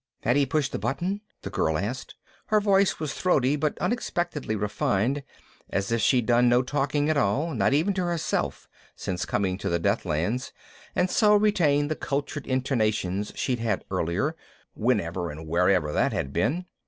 "Had he pushed the button?" the girl asked. Her voice was throaty but unexpectedly refined, as if she'd done no talking at all, not even to herself, since coming to the Deathlands and so retained the cultured intonations she'd had earlier, whenever and wherever that had been.